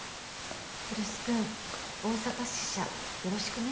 ・来栖君大阪支社よろしくね。